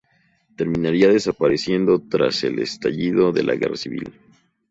Terminaría desapareciendo tras el estallido de la Guerra civil.